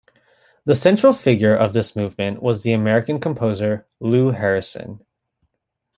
The central figure of this movement was the American composer Lou Harrison.